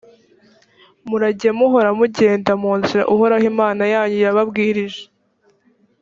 murajye muhora mugenda mu nzira uhoraho imana yanyu yababwirije,